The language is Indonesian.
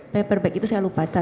paperback itu saya lupa